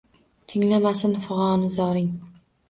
Tinglamasin fig’onu zoring.